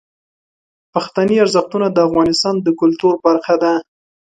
پښتني ارزښتونه د افغانستان د کلتور برخه ده.